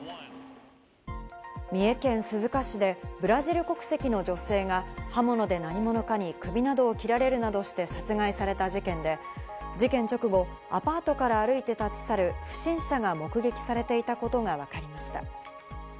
三重県鈴鹿市でブラジル国籍の女性が刃物で何者かに首などを切られるなどして殺害された事件で、事件直後、アパートから歩いて立ち去る不審者が目撃されていたことがわかりました。